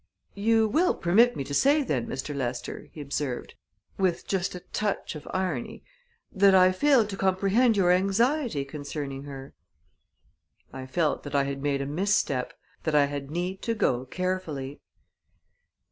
"You will permit me to say, then, Mistair Lester," he observed, with just a touch of irony, "that I fail to comprehend your anxiety concerning her." I felt that I had made a mis step; that I had need to go carefully.